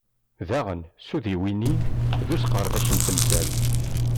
Daɣen, s udiwenni d usqerdec n temsal.